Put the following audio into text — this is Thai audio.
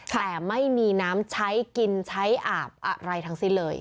แต่ไม่มีน้ำใช้กินใช้อาบอะไรทั้งสิ้นเลย